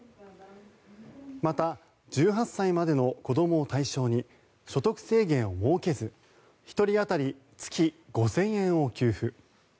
また、１８歳までの子どもを対象に所得制限を設けず１人当たり月５０００円を給付。